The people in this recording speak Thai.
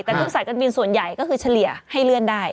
แต่ทุกสายการบินส่วนใหญ่ก็คือเฉลี่ยให้เลื่อนได้